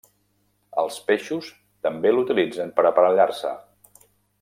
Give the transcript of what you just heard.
Els peixos també l'utilitzen per aparellar-se.